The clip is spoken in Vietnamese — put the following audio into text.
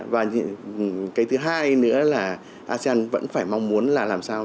và cái thứ hai nữa là asean vẫn phải mong muốn là làm sao